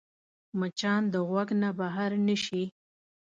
مچان د غوږ نه بهر نه شي